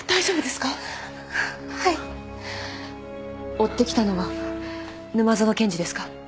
追ってきたのは沼園賢治ですか？